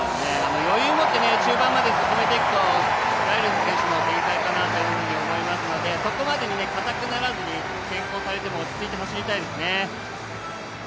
余裕をもって進めていくとライルズ選手の展開かなと思いますので、そこまでかたくならずに落ち着いて走りたいですね。